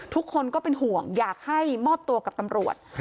ทุกคนก็เป็นห่วงอยากให้มอบตัวกับตำรวจ